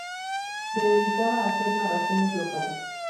Se dedicaba a hacer narraciones locales.